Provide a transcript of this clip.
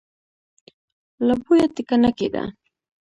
له بويه ټېکه نه کېده.